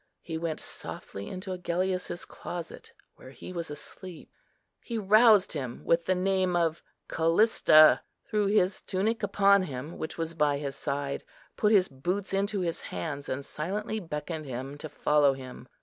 He went softly into Agellius's closet, where he was asleep, he roused him with the name of Callista, threw his tunic upon him, which was by his side, put his boots into his hands, and silently beckoned him to follow him.